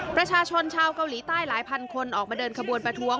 ประชาชนชาวเกาหลีใต้หลายพันคนออกมาเดินขบวนประท้วง